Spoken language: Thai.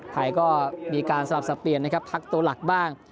ไทยก็มีการสลับสับเปลี่ยนนะครับพักตัวหลักบ้าง